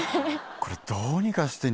これどうにかして。